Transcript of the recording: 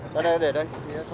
đây đây để đây